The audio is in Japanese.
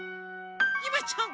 ゆめちゃん